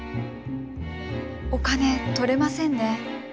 お金取れませんね。